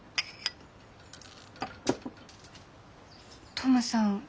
トムさん